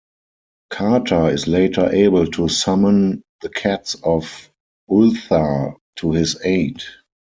Carter is later able to summon the cats of Ulthar to his aid.